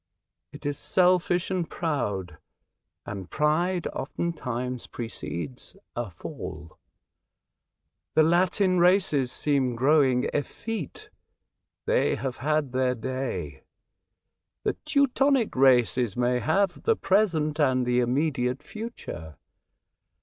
It is selfish and proud, and pride oftentimes precedes a fall. The Latin races seem growing effete. They have had their day. The Teu tonic races may have the present and the immediate future.